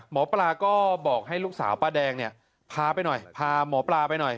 หมอปลาก็บอกให้ลูกสาวป้าแดงเนี่ยพาไปหน่อยพาหมอปลาไปหน่อย